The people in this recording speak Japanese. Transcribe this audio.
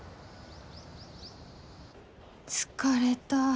疲れた